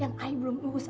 yang ayah belum urus